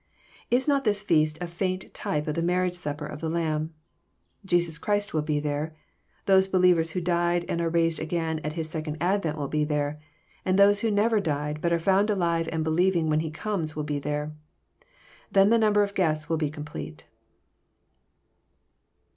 Is not this feast a faint type of the Marriage Supper of the Lamb? Jesus Christ will be there; those believers who died and are raised again at His second advent will be there ; and those who never died, but are found alive and believing when He comes, wUl be there. Then the number of guests will be complete.